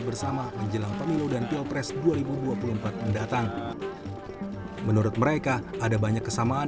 bersama menjelang pemilu dan pilpres dua ribu dua puluh empat mendatang menurut mereka ada banyak kesamaan